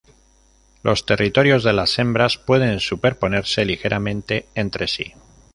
Los territorios de las hembras pueden superponerse ligeramente entre sí.